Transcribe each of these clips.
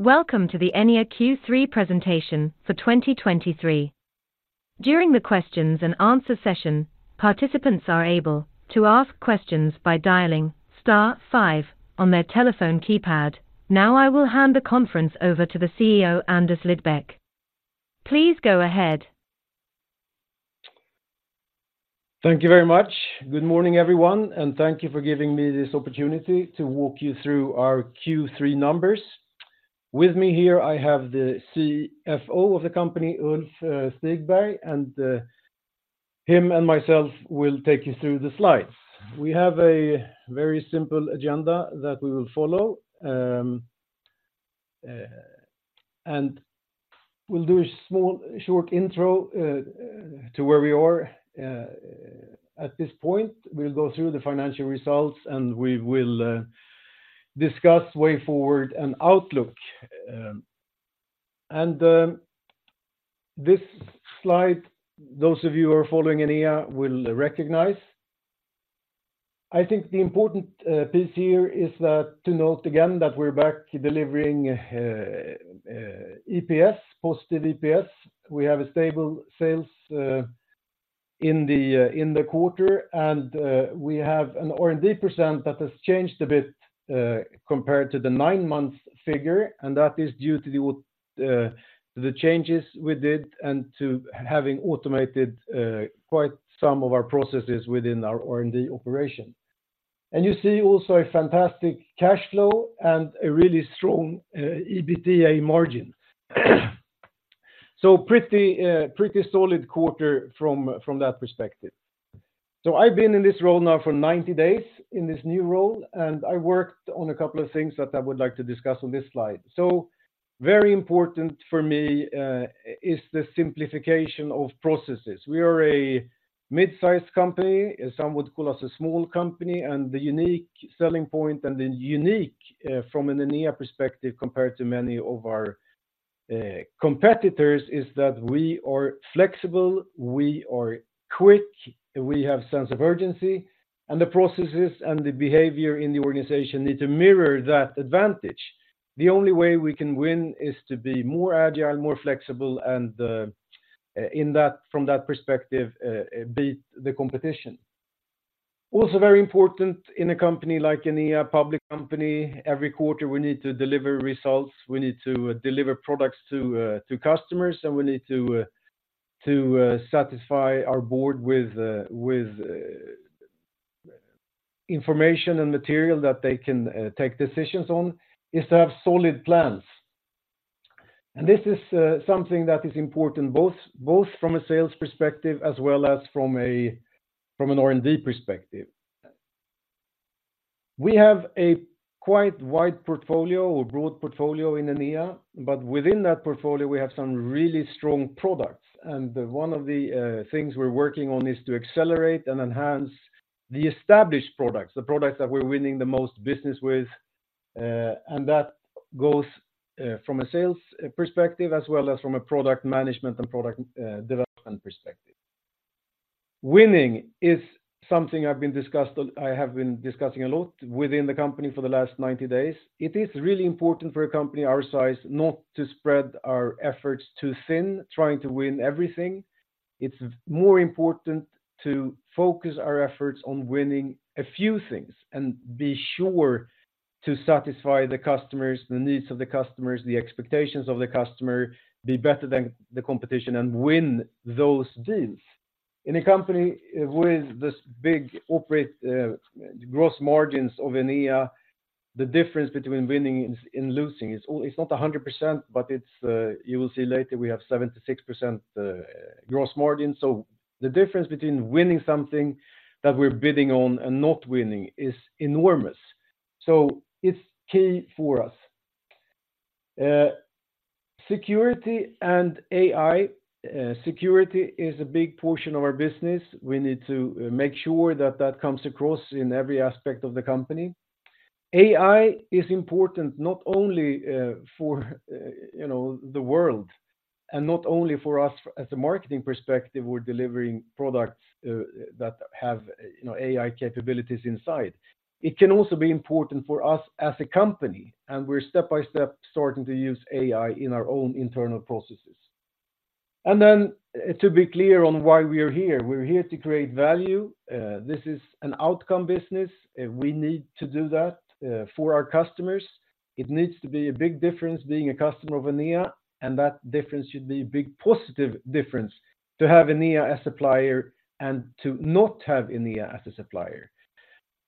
Welcome to the Enea Q3 presentation for 2023. During the questions and answer session, participants are able to ask questions by dialing star five on their telephone keypad. Now, I will hand the conference over to the CEO, Anders Lidbeck. Please go ahead. Thank you very much. Good morning, everyone, and thank you for giving me this opportunity to walk you through our Q3 numbers. With me here, I have the CFO of the company, Ulf Stigberg, and him and myself will take you through the slides. We have a very simple agenda that we will follow. We'll do a small, short intro to where we are at this point. We'll go through the financial results, and we will discuss way forward and outlook. This slide, those of you who are following Enea will recognize. I think the important piece here is that to note again that we're back delivering EPS, positive EPS. We have a stable sales in the quarter, and we have an R&D percent that has changed a bit compared to the nine-month figure, and that is due to the changes we did and to having automated quite some of our processes within our R&D operation. And you see also a fantastic cash flow and a really strong EBITDA margin. So pretty solid quarter from that perspective. So I've been in this role now for 90 days, in this new role, and I worked on a couple of things that I would like to discuss on this slide. So very important for me is the simplification of processes. We are a mid-sized company, some would call us a small company, and the unique selling point, and the unique from an Enea perspective, compared to many of our competitors, is that we are flexible, we are quick, we have sense of urgency, and the processes and the behavior in the organization need to mirror that advantage. The only way we can win is to be more agile, more flexible, and from that perspective beat the competition. Also very important in a company like Enea, a public company, every quarter, we need to deliver results, we need to deliver products to customers, and we need to satisfy our board with information and material that they can take decisions on is to have solid plans. And this is something that is important, both, both from a sales perspective as well as from an R&D perspective. We have a quite wide portfolio or broad portfolio in Enea, but within that portfolio, we have some really strong products, and one of the things we're working on is to accelerate and enhance the established products, the products that we're winning the most business with. And that goes from a sales perspective, as well as from a product management and product development perspective. Winning is something I have been discussing a lot within the company for the last 90 days. It is really important for a company our size, not to spread our efforts too thin, trying to win everything. It's more important to focus our efforts on winning a few things and be sure to satisfy the customers, the needs of the customers, the expectations of the customer, be better than the competition, and win those deals. In a company with this big operation, gross margins of Enea, the difference between winning and losing, it's not 100%, but it's, you will see later, we have 76% gross margin. So the difference between winning something that we're bidding on and not winning is enormous. So it's key for us. Security and AI. Security is a big portion of our business. We need to make sure that that comes across in every aspect of the company. AI is important not only for, you know, the world, and not only for us as a marketing perspective. We're delivering products that have, you know, AI capabilities inside. It can also be important for us as a company, and we're step by step starting to use AI in our own internal processes. And then to be clear on why we are here, we're here to create value. This is an outcome business. We need to do that for our customers. It needs to be a big difference, being a customer of Enea, and that difference should be a big positive difference to have Enea as supplier and to not have Enea as a supplier.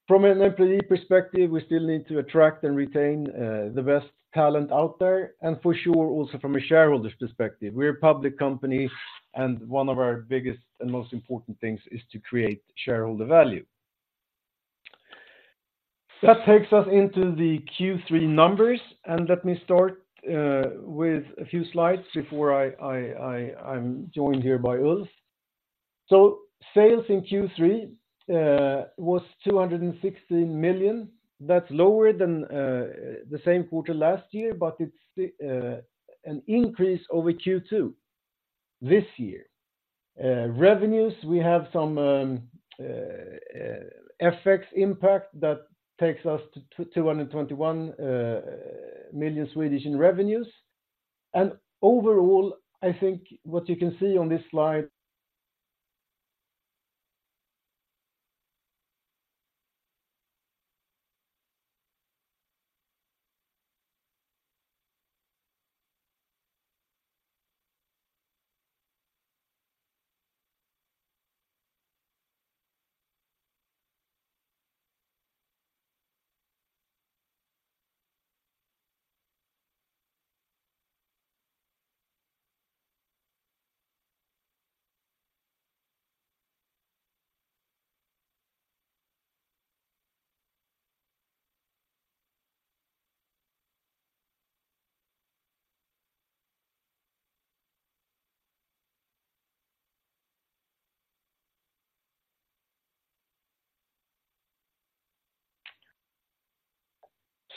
From an employee perspective, we still need to attract and retain the best talent out there, and for sure, also from a shareholder's perspective, we're a public company, and one of our biggest and most important things is to create shareholder value. That takes us into the Q3 numbers, and let me start with a few slides before I'm joined here by Ulf. So sales in Q3 was 216 million. That's lower than the same quarter last year, but it's an increase over Q2 this year. Revenues, we have some FX impact that takes us to 221 million in revenues. And overall, I think what you can see on this slide.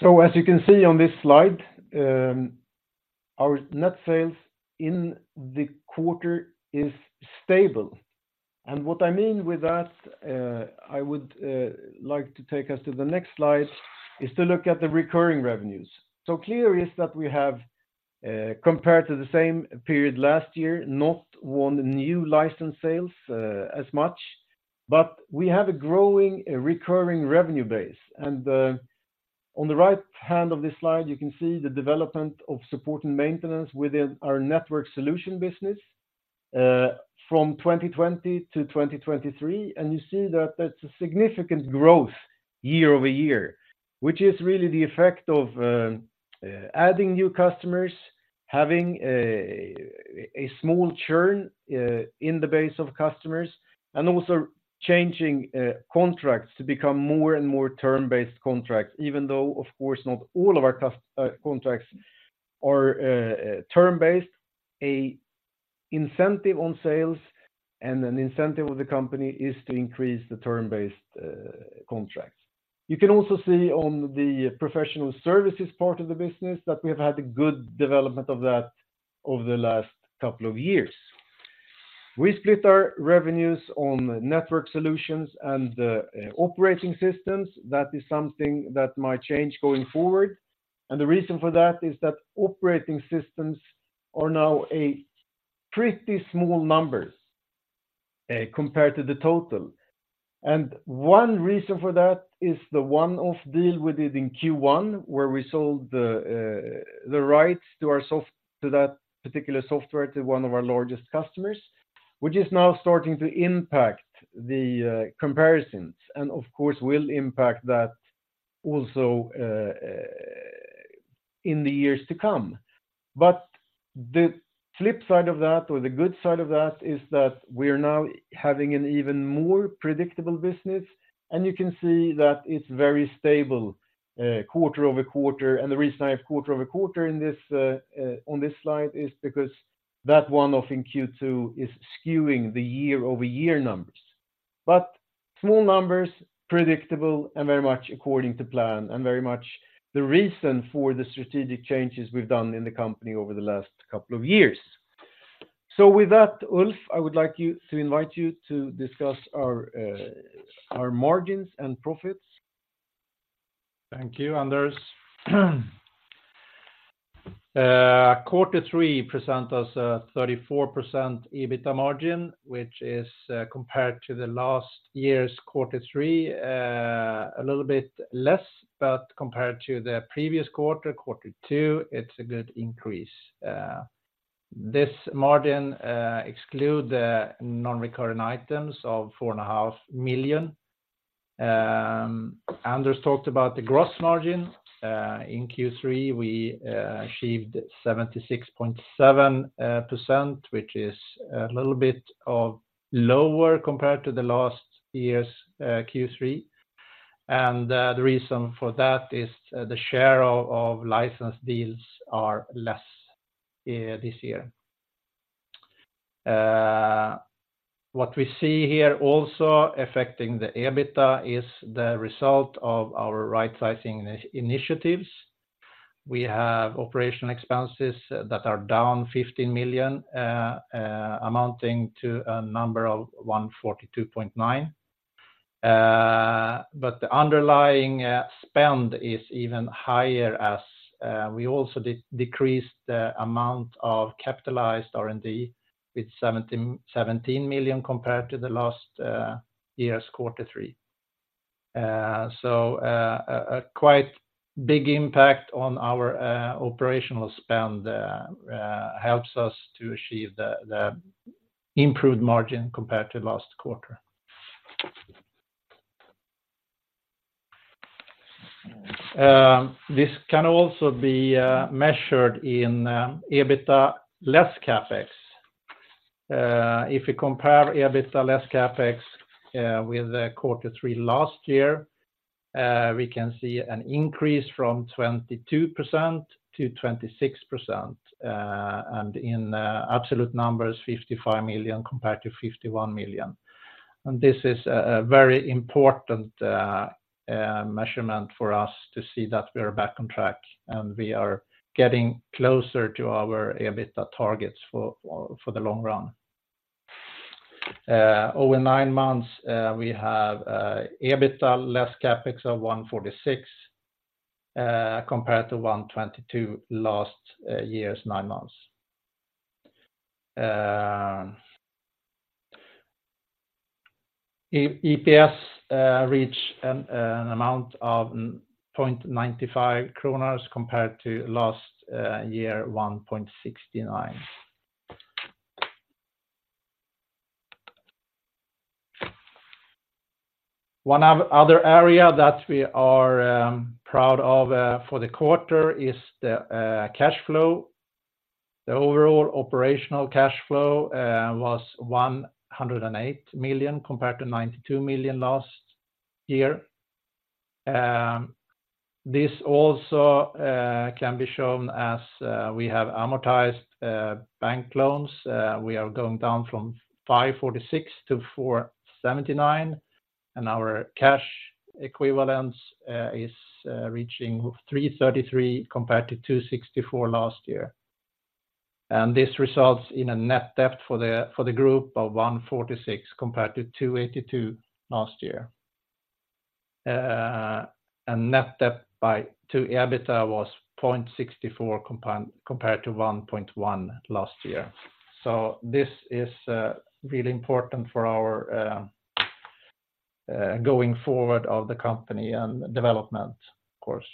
So as you can see on this slide, our net sales in the quarter is stable. And what I mean with that, I would like to take us to the next slide, is to look at the recurring revenues. So clear is that we have, compared to the same period last year, not won new license sales, as much, but we have a growing, a recurring revenue base. And, on the right hand of this slide, you can see the development of support and maintenance within our network solution business, from 2020 to 2023. And you see that that's a significant growth year-over-year, which is really the effect of, adding new customers, having a, a small churn, in the base of customers, and also changing, contracts to become more and more term-based contracts, even though, of course, not all of our contracts are, term-based. An incentive on sales and an incentive of the company is to increase the term-based contracts. You can also see on the professional services part of the business that we have had a good development of that over the last couple of years. We split our revenues on network solutions and operating systems. That is something that might change going forward. The reason for that is that operating systems are now a pretty small numbers compared to the total. One reason for that is the one-off deal we did in Q1, where we sold the rights to that particular software to one of our largest customers, which is now starting to impact the comparisons, and of course, will impact that also in the years to come. But the flip side of that, or the good side of that, is that we are now having an even more predictable business, and you can see that it's very stable, quarter-over-quarter. And the reason I have quarter-over-quarter in this, on this slide is because that one-off in Q2 is skewing the year-over-year numbers. But small numbers, predictable, and very much according to plan, and very much the reason for the strategic changes we've done in the company over the last couple of years. So with that, Ulf, I would like to invite you to discuss our margins and profits. Thank you, Anders. Quarter three present us a 34% EBITDA margin, which is, compared to the last year's quarter three, a little bit less, but compared to the previous quarter, quarter two, it's a good increase. This margin exclude the non-recurrent items of 4.5 million. Anders talked about the gross margin. In Q3, we achieved 76.7%, which is a little bit lower compared to the last year's Q3. The reason for that is the share of license deals are less this year. What we see here also affecting the EBITDA is the result of our right sizing initiatives. We have operational expenses that are down 15 million, amounting to a number of 142.9. But the underlying spend is even higher as we also decreased the amount of capitalized R&D with 17 million compared to last year's quarter three. So, a quite big impact on our operational spend helps us to achieve the improved margin compared to last quarter. This can also be measured in EBITDA less CapEx. If we compare EBITDA less CapEx with quarter three last year, we can see an increase from 22% to 26%, and in absolute numbers, 55 million compared to 51 million. And this is a very important measurement for us to see that we are back on track, and we are getting closer to our EBITDA targets for the long run. Over nine months, we have EBITDA less CapEx of 146 million, compared to 122 million last year's nine months. EPS reached an amount of 0.95 kronor compared to last year, 1.69. One other area that we are proud of for the quarter is the cash flow. The overall operational cash flow was 108 million, compared to 92 million last year. This also can be shown as we have amortized bank loans. We are going down from 546 million to 479 million, and our cash equivalents is reaching 333 million compared to 264 million last year. And this results in a net debt for the group of 146 million compared to 282 million last year. And net debt to EBITDA was 0.64 compared to 1.1 last year. So this is really important for our going forward of the company and development course.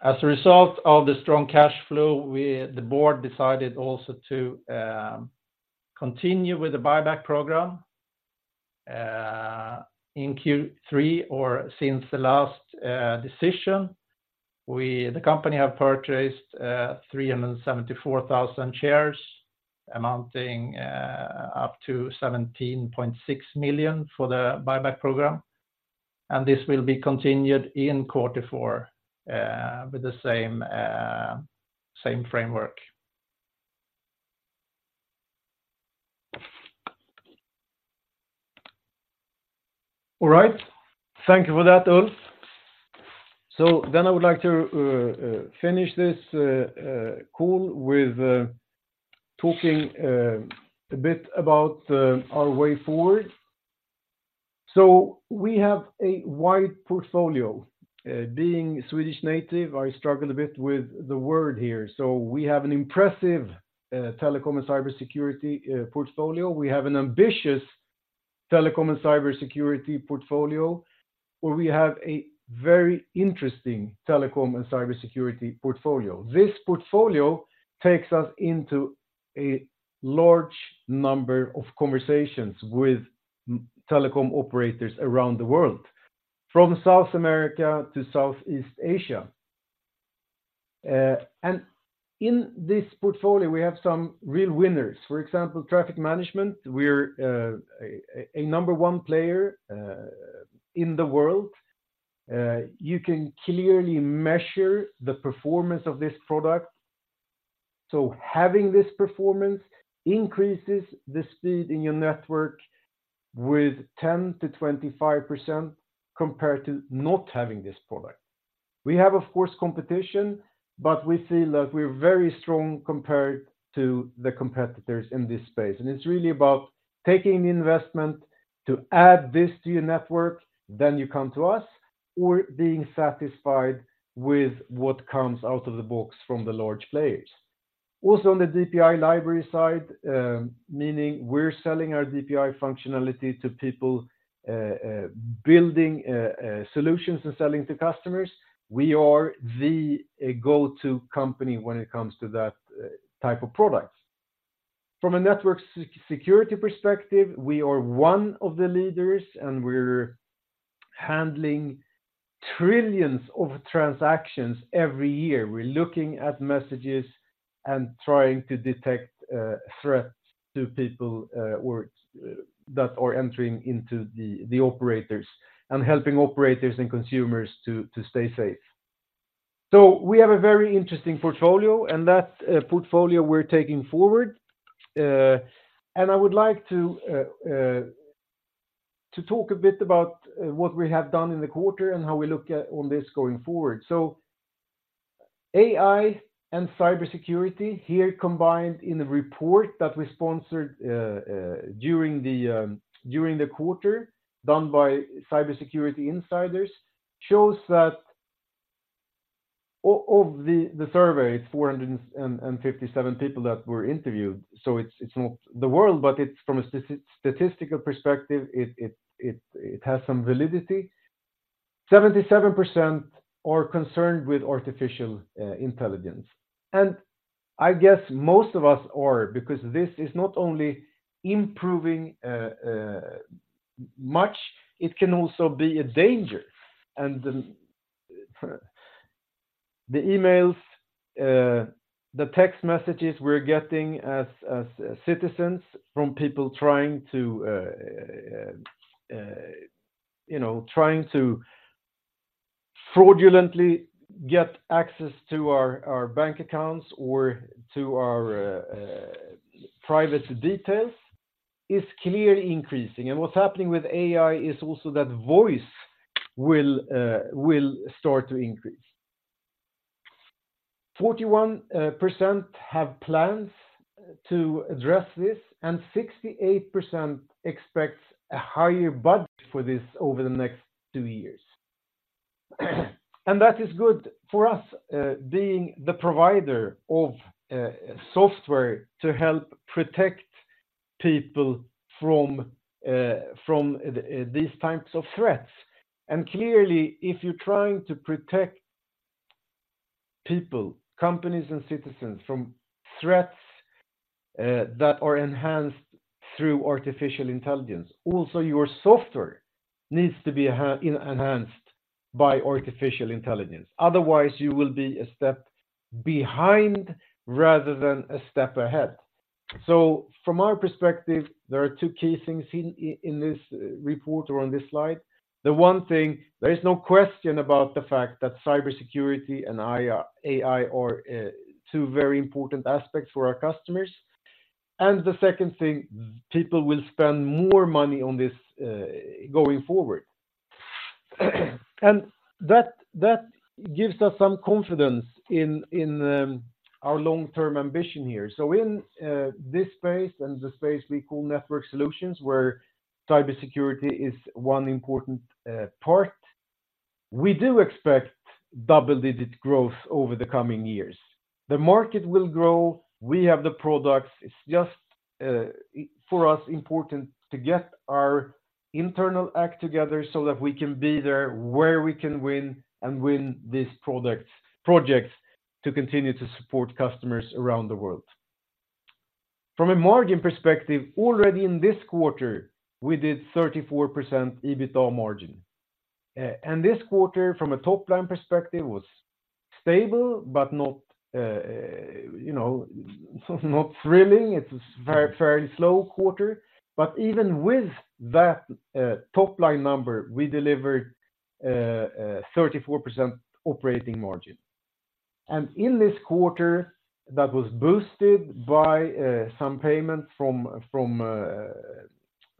As a result of the strong cash flow, the board decided also to continue with the buyback program. In Q3, or since the last decision, we, the company have purchased 374,000 shares, amounting up to 17.6 million for the buyback program. And this will be continued in quarter four with the same framework. All right. Thank you for that, Ulf. So then I would like to finish this call with talking a bit about our way forward. So we have a wide portfolio. Being Swedish native, I struggle a bit with the word here. So we have an impressive telecom and cybersecurity portfolio. We have an ambitious telecom and cybersecurity portfolio, or we have a very interesting telecom and cybersecurity portfolio. This portfolio takes us into a large number of conversations with telecom operators around the world, from South America to Southeast Asia. And in this portfolio, we have some real winners. For example, Traffic Management, we're a number one player in the world. You can clearly measure the performance of this product. So having this performance increases the speed in your network with 10%-25% compared to not having this product. We have, of course, competition, but we feel that we're very strong compared to the competitors in this space. And it's really about taking the investment to add this to your network, then you come to us, or being satisfied with what comes out of the box from the large players. Also, on the DPI library side, meaning we're selling our DPI functionality to people building solutions and selling to customers. We are the go-to company when it comes to that type of products. From a network security perspective, we are one of the leaders, and we're handling trillions of transactions every year. We're looking at messages and trying to detect threats to people or that are entering into the operators, and helping operators and consumers to stay safe. So we have a very interesting portfolio, and that's a portfolio we're taking forward. I would like to talk a bit about what we have done in the quarter and how we look at on this going forward. So AI and cybersecurity here combined in the report that we sponsored during the quarter, done by Cybersecurity Insiders, shows that of the survey, it's 457 people that were interviewed. So it's not the world, but it's from a statistical perspective, it has some validity. 77% are concerned with artificial intelligence, and I guess most of us are, because this is not only improving much, it can also be a danger. The emails, the text messages we're getting as citizens from people trying to, you know, fraudulently get access to our bank accounts or to our private details is clearly increasing. What's happening with AI is also that voice will start to increase. 41% have plans to address this, and 68% expects a higher budget for this over the next two years. That is good for us, being the provider of software to help protect people from these types of threats. Clearly, if you're trying to protect people, companies, and citizens from threats that are enhanced through artificial intelligence, also your software needs to be enhanced by artificial intelligence. Otherwise, you will be a step behind rather than a step ahead. So from our perspective, there are two key things in this report or on this slide. The one thing, there is no question about the fact that cybersecurity and AI are two very important aspects for our customers. And the second thing, people will spend more money on this going forward. And that gives us some confidence in our long-term ambition here. So in this space and the space we call network solutions, where cybersecurity is one important part, we do expect double-digit growth over the coming years. The market will grow. We have the products. It's just, for us, important to get our internal act together so that we can be there, where we can win and win these products, projects, to continue to support customers around the world. From a margin perspective, already in this quarter, we did 34% EBITDA margin. And this quarter, from a top-line perspective, was stable but not, you know, not thrilling. It's a very, very slow quarter. But even with that, top-line number, we delivered, 34% operating margin. And in this quarter, that was boosted by, some payment from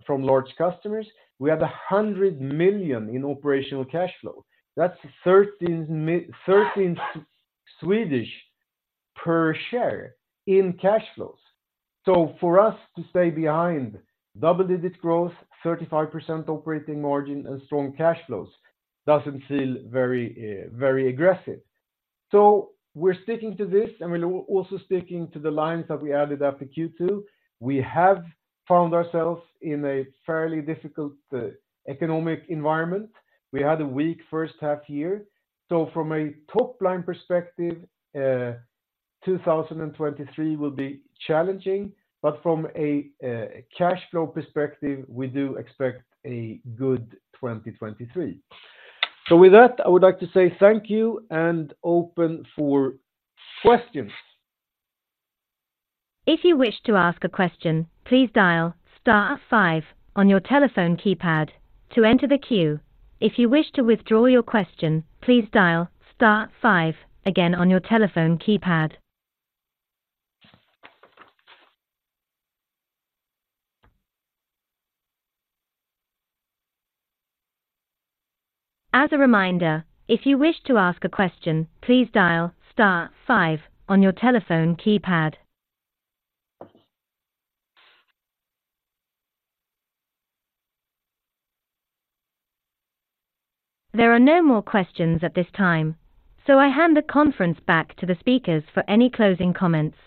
large customers. We had 100 million in operational cash flow. That's 13 SEK per share in cash flows. So for us to stay behind double-digit growth, 35% operating margin, and strong cash flows doesn't feel very, very aggressive. So we're sticking to this, and we're also sticking to the lines that we added after Q2. We have found ourselves in a fairly difficult economic environment. We had a weak first half year. So from a top-line perspective, 2023 will be challenging, but from a cash flow perspective, we do expect a good 2023. So with that, I would like to say thank you and open for questions. If you wish to ask a question, please dial star five on your telephone keypad to enter the queue. If you wish to withdraw your question, please dial star five again on your telephone keypad. As a reminder, if you wish to ask a question, please dial star five on your telephone keypad. There are no more questions at this time, so I hand the conference back to the speakers for any closing comments.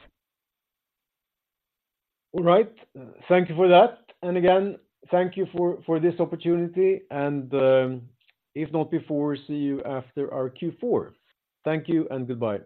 All right. Thank you for that. And again, thank you for this opportunity and, if not before, see you after our Q4. Thank you and goodbye.